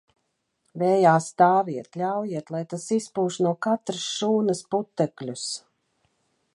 Vējā stāviet, ļaujiet, lai tas izpūš no katras šūnas putekļus.